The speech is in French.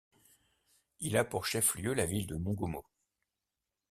Il a pour chef-lieu la ville de Mongomo.